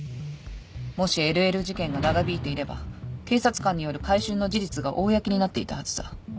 もしＬＬ事件が長引いていれば警察官による買春の事実が公になっていたはずだ。